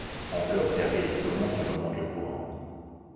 On peut observer les saumons qui remontent le courant.